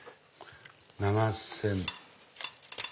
７０００円。